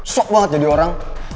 sok banget jadi orang